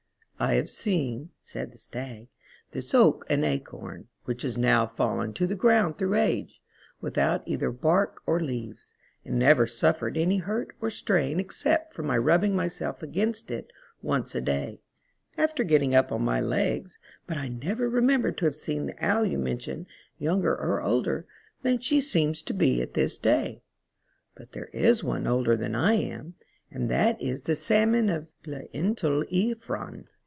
"I have seen," said the Stag, "this oak an acorn, which is now fallen to the ground through age, without either bark or leaves, and never suffered any hurt or strain except from my rubbing myself against it once a day, after getting up on my legs ; but I never remem ber to have seen the Owl you mention younger or older than she seems to be at this day. But there is one older than I am, and that is the Salmon of Glynllifon."